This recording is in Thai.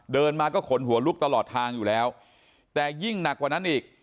เดินมาก็ขนหัวลุกตลอดทางอยู่แล้วแต่ยิ่งหนักกว่านั้นอีก